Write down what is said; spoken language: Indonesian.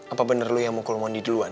apa bener lu yang mukul mondi duluan